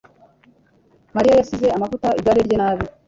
mariya yasize amavuta igare rye nabi